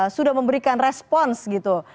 sudah memberikan respon gitu